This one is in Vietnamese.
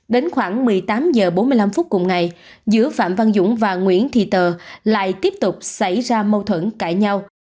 đến khoảng một mươi tám h bốn mươi năm phút cùng ngày giữa phạm văn dũng và nguyễn thị tờ lại tiếp tục xảy ra mâu thuẫn cãi nhau